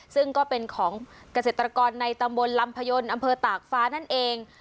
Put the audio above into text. ซึ่งก็เป็นของเกษตรกรในตำบลลำพยนต์อำเภอตากฟ้านั่นเอง